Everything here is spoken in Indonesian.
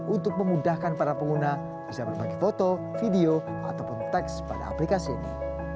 untuk memudahkan para pengguna bisa berbagi foto video ataupun teks pada aplikasi ini